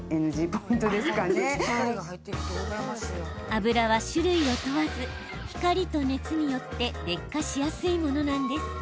油は種類を問わず光と熱によって劣化しやすいものなんです。